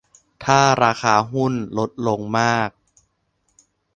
ถ้าราคาหุ้นลดลงมาก